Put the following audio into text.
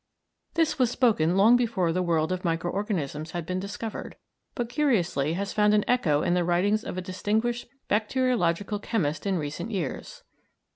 This was spoken long before the world of micro organisms had been discovered, but curiously has found an echo in the writings of a distinguished bacteriological chemist in recent years.